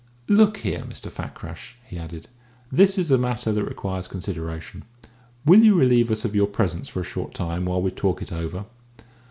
Look here, Mr. Fakrash," he added, "this is a matter that requires consideration. Will you relieve us of your presence for a short time, while we talk it over?"